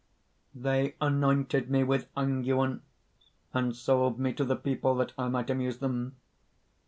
"They anointed me with unguents, and sold me to the people that I might amuse them.